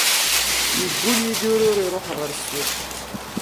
Yeggull Yidir ur iruḥ ɣer ssuq.